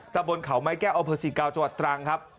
จากบนเขาไม้แก้ออเภอศิกาวจังหวัดตรังครับ